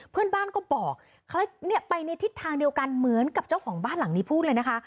เพื่อนบ้านก็บอกไปในทิศทางเดียวกันเหมือนกับเจ้าของบ้านหลังนี้พูดเลยนะคะ